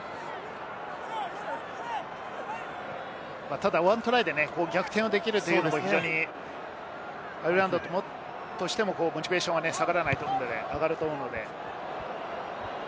ただ１トライで逆転はできるので、アイルランドとしてもモチベーションは下がらないと思うので。